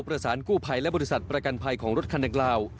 ประสานกู้ภัยและบริษัทประกันภัยของรถคันดังกล่าว